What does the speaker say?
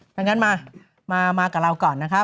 ดังนั้นมากับเราก่อนนะครับ